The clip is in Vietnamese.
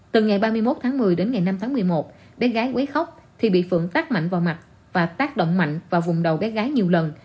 từ ngày ba mươi một tháng một mươi đến ngày năm tháng một mươi một bé gái quấy khóc thì bị phượng tắc mạnh vào mặt và tác động mạnh vào vùng đầu bé gái nhiều lần